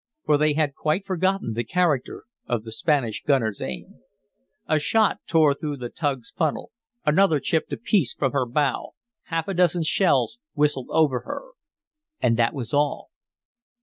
For they had quite forgotten the character of the Spanish gunners' aim. A shot tore through the tug's funnel, another chipped a piece from her bow, half a dozen shells whistled over her. And that was all.